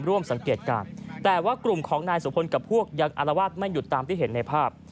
ร่วมสังเกตการณ์แต่ว่ากลุ่มของนายสุพลกับพวกยังอารวาสไม่หยุดตามที่เห็นในภาพ